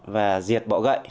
và diệt bọ gậy